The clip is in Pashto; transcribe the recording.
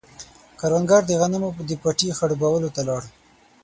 کروندګر د غنمو د پټي خړوبولو ته لاړ.